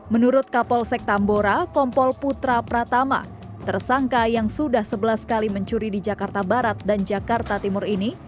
menurut kapolsek tambora kompol putra pratama tersangka yang sudah sebelas kali mencuri di jakarta barat dan jakarta timur ini